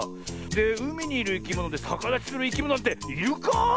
うみにいるいきものでさかだちするいきものっているか？